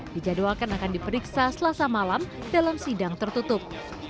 dijadwalkan akan diperiksa selasa malam dalam sidang tertutup